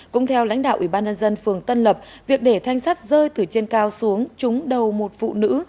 cũng theo lãnh đạo ủy ban nhân dân phường tân lập việc để thanh sắt rơi từ trên cao xuống trúng đầu một phụ nữ